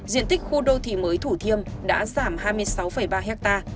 diện tích khu đô thị mới thủ thiêm đã giảm hai mươi sáu ba ha